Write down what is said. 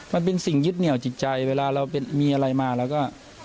มันเป็นสิ่งยึดเหนียวจิตใจเวลาเรามีอะไรมาเราก็